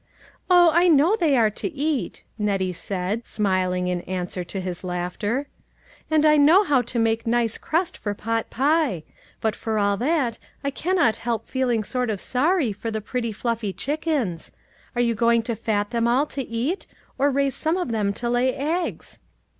"Oh, I know they are to eat," Nettie said, smiling in answer to his laughter, " and I know how to make nice crust for pot pie ; but for all that, I cannot help feeling sort of sorry for the pretty fluffy chickens. Are you going to fat them all, to eat ; or raise some of them to lay eggs?"